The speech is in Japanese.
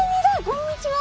こんにちは。